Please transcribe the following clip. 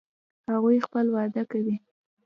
هغوی خپل واده کوي